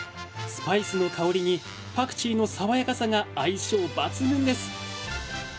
スパイスの香りにパクチーの爽やかさが相性抜群です。